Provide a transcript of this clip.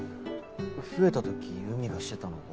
増えた時うみがしてたのは。